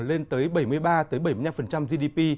lên tới bảy mươi ba bảy mươi năm gdp